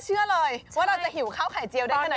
เชื่อเลยว่าเราจะหิวข้าวไข่เจียวได้แค่ไหน